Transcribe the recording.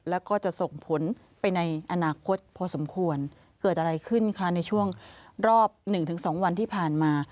แล้วก็จะส่งผลไปในอนาคตพอสมควรเกิดอะไรขึ้นคะในช่วงรอบ๑๒วันที่ผ่านมา